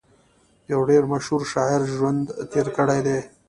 يو ډېر مشهور شاعر ژوند تېر کړی دی